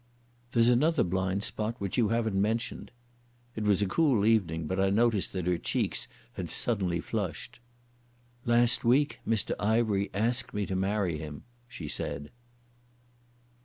"There's another blind spot which you haven't mentioned." It was a cool evening, but I noticed that her cheeks had suddenly flushed. "Last week Mr Ivery asked me to marry him," she said.